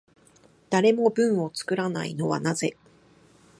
誰も文を作らないのはなぜ？